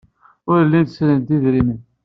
Ur llint srint i yedrimen.